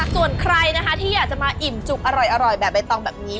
ส่วนใครนะคะที่อยากจะมาอิ่มจุกอร่อยแบบใบตองแบบนี้